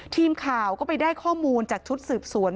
ทีมข่าวก็ไปได้ข้อมูลจากชุดสืบสวน